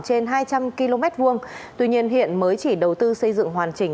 trên hai trăm linh km hai tuy nhiên hiện mới chỉ đầu tư xây dựng hoàn chỉnh